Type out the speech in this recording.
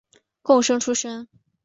贡生出身。